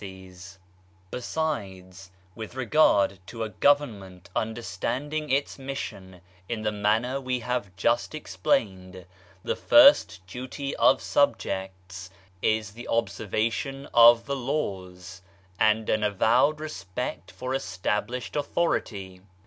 BAHAISM AND SOCIETY 129 Besides, with regard to a government understanding its mission in the manner we have just explained, the first duty of subjects is the observation of the laws, and an avowed respect for established authority.